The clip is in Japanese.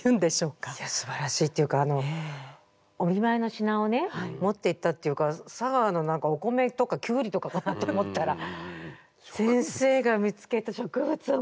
いやすばらしいっていうかあのお見舞いの品を持っていったって言うから佐川のお米とかきゅうりとかかなと思ったら先生が見つけた植物を持っていくって。